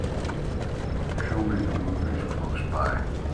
Show me the movies close by